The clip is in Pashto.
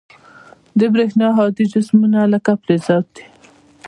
د برېښنا هادي جسمونه لکه فلزات دي.